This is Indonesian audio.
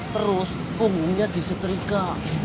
terus umumnya diseterika